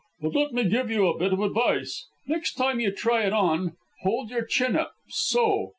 "But let me give you a bit of advice. Next time you try it on, hold your chin up, so.